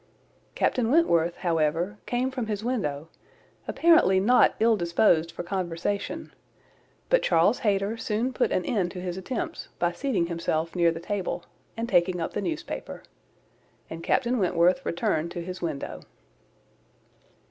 Captain Wentworth, however, came from his window, apparently not ill disposed for conversation; but Charles Hayter soon put an end to his attempts by seating himself near the table, and taking up the newspaper; and Captain Wentworth returned to his window.